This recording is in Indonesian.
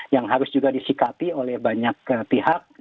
yang harus juga disikapi oleh banyak pihak